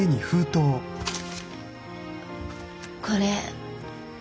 これ。